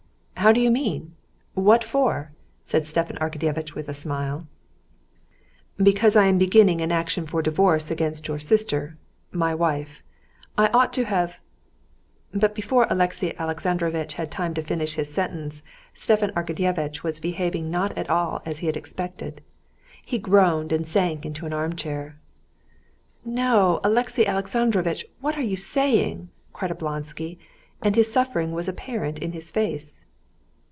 How do you mean? What for?" said Stepan Arkadyevitch with a smile. "Because I am beginning an action for divorce against your sister, my wife. I ought to have...." But, before Alexey Alexandrovitch had time to finish his sentence, Stepan Arkadyevitch was behaving not at all as he had expected. He groaned and sank into an armchair. "No, Alexey Alexandrovitch! What are you saying?" cried Oblonsky, and his suffering was apparent in his face.